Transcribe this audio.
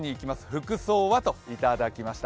服装は？といただきました。